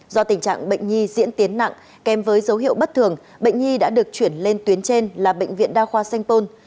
do tình trạng bệnh nhi diễn tiến nặng kèm với dấu hiệu bất thường bệnh nhi đã được chuyển lên tuyến trên là bệnh viện đa khoa sanh pôn